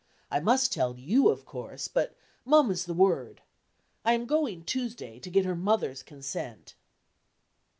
I must tell you, of course, but 'mum is the word.' I am going, Tuesday, to get her mother's consent."